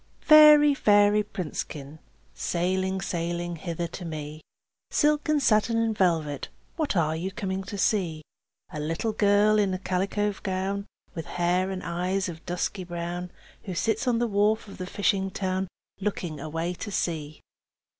Fairy, fairy princekin, Sailing, sailing hither to me, Silk and satin and velvet, What are you coming to see? A little girl in a calico gown, With hair and eyes of dusky brown, Who sits on the wharf of the fishing town. Looking away to sea.